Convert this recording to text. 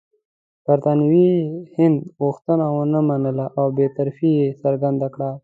برټانوي هند غوښتنه ونه منله او بې طرفي یې څرګنده کړه.